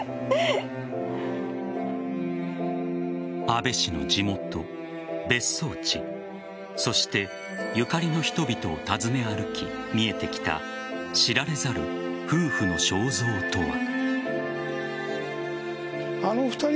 安倍氏の地元、別荘地そして、ゆかりの人々を訪ね歩き見えてきた知られざる夫婦の肖像とは。